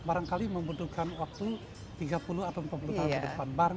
barangkali membutuhkan waktu tiga puluh atau empat puluh tahun